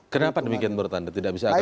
kenapa demikian bertanda tidak bisa akan muncul